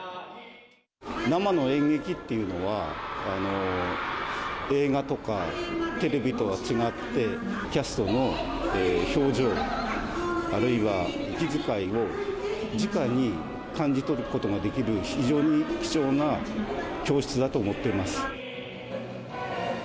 生の演劇っていうのは、映画とかテレビとは違って、キャストの表情、あるいは息遣いを、じかに感じ取ることができる、非常に貴重な教室だと思っています。